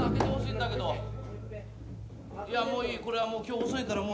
いやもういいこれはもう今日遅いからもうとても駄目。